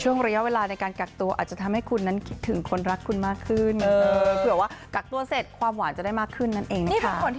ระยะเวลาในการกักตัวอาจจะทำให้คุณนั้นคิดถึงคนรักคุณมากขึ้นเผื่อว่ากักตัวเสร็จความหวานจะได้มากขึ้นนั่นเองนะคะ